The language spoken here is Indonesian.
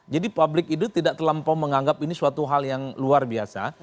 jadi publik itu tidak terlampau menganggap ini suatu hal yang luar biasa